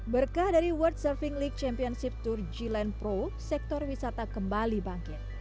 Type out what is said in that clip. berkah dari world surfing league championship tour g land pro sektor wisata kembali bangkit